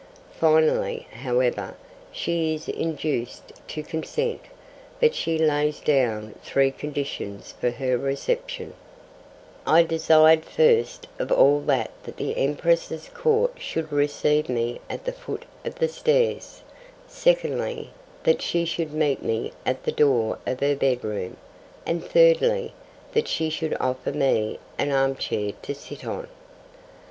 Finally, however, she is induced to consent, but she lays down three conditions for her reception: I desired first of all that the Empress's Court should receive me at the foot of the stairs, secondly, that she should meet me at the door of her bedroom, and, thirdly, that she should offer me an armchair to sit on.